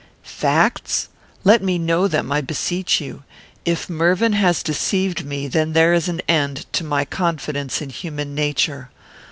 "Facts? Let me know them, I beseech you. If Mervyn has deceived me, there is an end to my confidence in human nature.